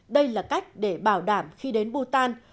đây là cách để bảo đảm khi đến bhutan